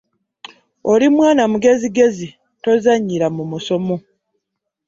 Oli mwana mugezigezi tozannyira mu musomo.